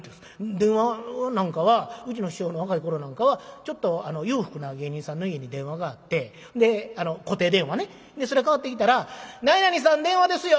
電話なんかはうちの師匠の若い頃なんかはちょっと裕福な芸人さんの家に電話があってあの固定電話ねでそれかかってきたら「何々さん電話ですよ！」